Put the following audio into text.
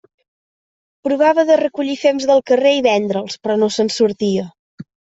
Provava de recollir fems del carrer i vendre'ls, però no se'n sortia.